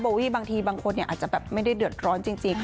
วี่บางทีบางคนอาจจะแบบไม่ได้เดือดร้อนจริง